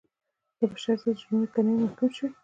د بشر ضد جرمونو کې نه وي محکوم شوي.